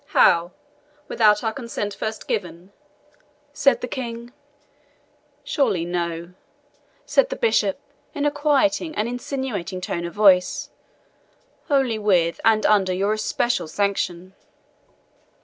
"How? without our consent first given?" said the King. "Surely no," said the Bishop, in a quieting and insinuating tone of voice "only with and under your especial sanction."